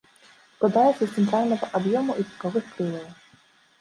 Складаецца з цэнтральнага аб'ёму і бакавых крылаў.